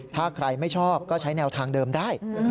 ถ้าใครไม่ชอบก็ใช้แนวทางเดิมได้